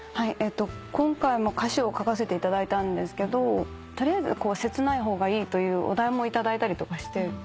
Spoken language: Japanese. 今回も歌詞を書かせていただいたんですけど取りあえず切ない方がいいというお題も頂いたりとかして。